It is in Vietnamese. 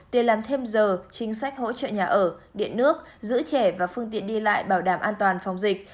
tiền làm thêm giờ chính sách hỗ trợ nhà ở điện nước giữ trẻ và phương tiện đi lại bảo đảm an toàn phòng dịch